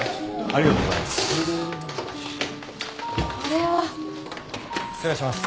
ありがとうございます。